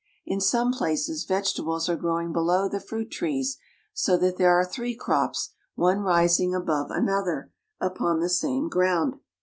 In some places vegetables are growing below the fruit trees, so that there are three crops, one rising above another, upon the same ground.